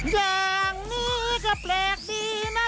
อย่างนี้ก็แปลกดีนะ